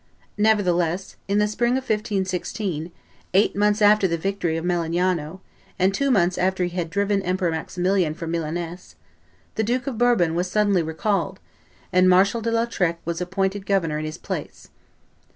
Nevertheless, in the spring of 1516, eight months after the victory of Melegnano and but two months after he had driven Emperor Maximilian from Milaness, the Duke of Bourbon was suddenly recalled, and Marshal de Lautrec was appointed governor in his place.